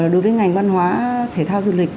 đối với ngành văn hóa thể thao du lịch